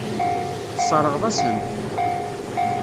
Tesseṛɣeḍ-asen-t.